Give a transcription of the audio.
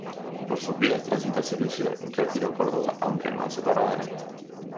Por sus vías transita el servicio Retiro-Córdoba, aunque no hace parada en esta.